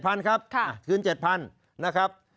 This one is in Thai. ๗๐๐๐บาทครับคืน๗๐๐๐บาทนะครับ